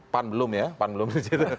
pan belum ya pan belum di situ